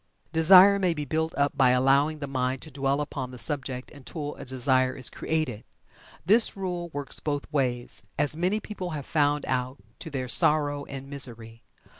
Desire may be built up by allowing the mind to dwell upon the subject until a desire is created. This rule works both ways, as many people have found out to their sorrow and misery.